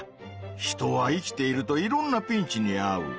人は生きているといろんな「ピンチ」にあう。